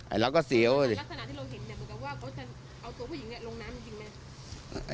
รักษณะที่เราเห็นเนี่ยมึงก็ว่าเขาจะเอาตัวผู้หญิงลงน้ำจริงมั้ย